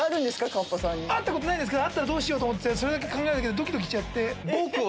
会ったことないんですけど会ったらどうしようと思ってそれだけ考えるだけでドキドキしちゃって。